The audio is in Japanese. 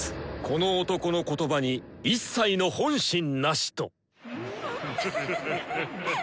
この男の言葉に一切の本心なしと！